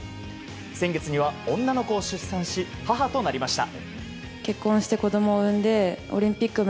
先月には女の子を出産し母となりました。